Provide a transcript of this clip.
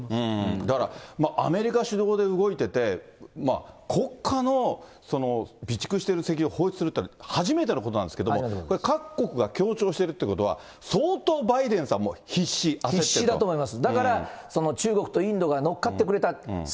だから、アメリカ主導で動いてて、国家の備蓄してる石油を放出するってのは初めてのことなんですけども、これ各国が協調してるということは、相当バイデンさんも必死、必死だと思います。